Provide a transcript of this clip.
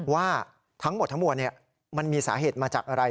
ว่าทั้งหมดทั้งมวลมันมีสาเหตุมาจากอะไร